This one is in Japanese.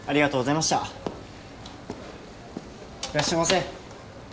いらっしゃいませ。